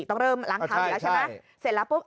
ต้องเริ่มล้างเท้าเสร็จแล้วปุ๊บ